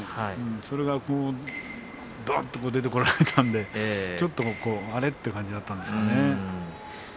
それが、どんと出てこられたのであれ？という感じだったんでしょうね。